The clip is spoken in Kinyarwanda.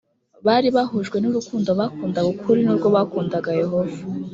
bari bahujwe n urukundo bakundaga ukuri n urwo bakundaga yehova